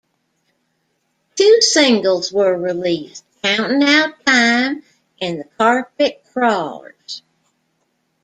Two singles were released, "Counting Out Time" and "The Carpet Crawlers".